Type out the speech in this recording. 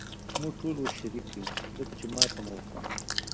موږ ټول اوس شریف یو، ځکه چې ماته مو وخوړه.